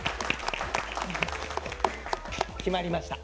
決まりました。